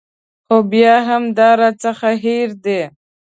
خو بیا هم دا راڅخه هېر دي.